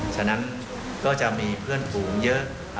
ฉะนั้นก็จะมีเพื่อนฝูงเยอะ